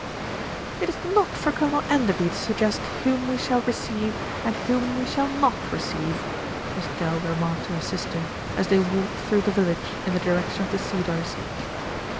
"It is not for Colonel Enderby to suggest whom we shall receive and whom we shall not receive," Miss Jell remarked to her sister, as they walked through the village in the direction of The Cedars.